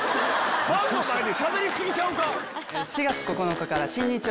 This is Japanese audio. ファンの前でしゃべり過ぎちゃうか？